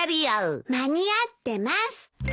間に合ってます。